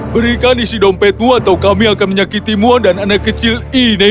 berikan isi dompetmu atau kami akan menyakitimu dan anak kecil ini